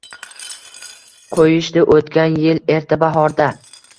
Qo’yishdi o’tgan yil erta bahorda.